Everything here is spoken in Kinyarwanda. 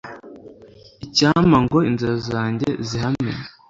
icyampa ngo inzira zanjye zihame